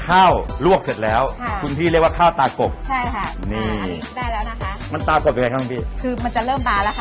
ข้าวลวกเสร็จแล้วคุณพี่เรียกว่าข้าวตากกใช่ค่ะ